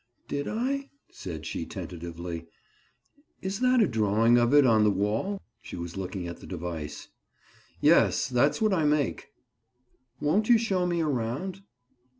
"Did I?" said she tentatively. "Is that a drawing of it on the wall?" She was looking at the device. "Yes. That's what I make." "Won't you show me around?"